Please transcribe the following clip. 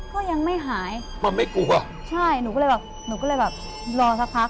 ก็ยังไม่หายมันไม่กลัวใช่หนูก็เลยแบบหนูก็เลยแบบรอสักพัก